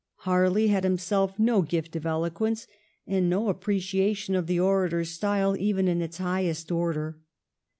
Harley had himself no gift of eloquence, and no appreciation of the orator's style even in its highest order.